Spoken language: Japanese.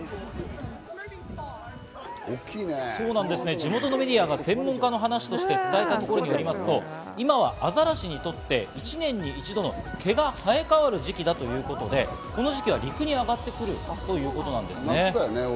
地元のメディアが専門家の話として伝えたところによりますと、今はアザラシにとって１年に一度の毛が生え変わる時期だということで、この時期は陸に上がってくるということです。